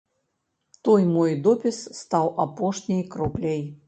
Той мой допіс стаў апошняй кропляй.